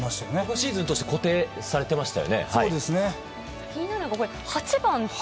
シーズン通して固定されていましたね。